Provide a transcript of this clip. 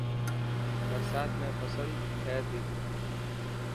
برسات ۾ فصل ٿي تي.